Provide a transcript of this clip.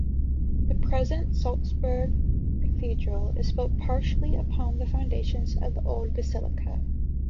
The present Salzburg Cathedral is built partially upon the foundations of the old basilica.